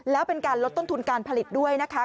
แล้วเป็นการลดต้นทุนการผลิตด้วยนะคะ